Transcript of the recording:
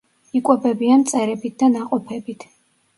იკვებებიან მწერებით და ნაყოფებით.